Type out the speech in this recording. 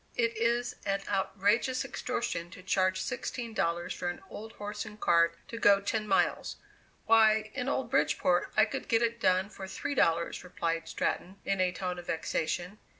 "It is an outrageous extortion to charge sixteen dollars for an old horse and cart to go ten miles. Why, in old Bridgeport I could get it done for three dollars," replied Stratton, in a tone of vexation.